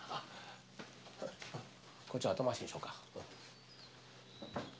こっちは後回しにしようか。